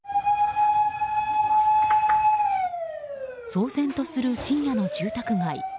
騒然とする深夜の住宅街。